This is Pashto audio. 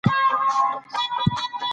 ژبه د زدهکړې تر ټولو قوي وسیله ده.